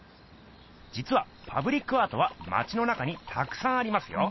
じつはパブリックアートはまちの中にたくさんありますよ。